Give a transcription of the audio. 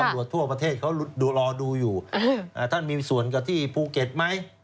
ตำรวจทั่วประเทศเขารอดูอยู่อืมอ่าท่านมีส่วนกับที่ภูเก็ตไหม